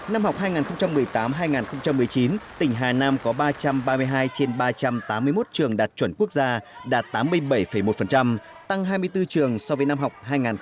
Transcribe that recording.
năm học hai nghìn một mươi tám hai nghìn một mươi chín tỉnh hà nam có ba trăm ba mươi hai trên ba trăm tám mươi một trường đạt chuẩn quốc gia đạt tám mươi bảy một tăng hai mươi bốn trường so với năm học hai nghìn một mươi hai nghìn một mươi tám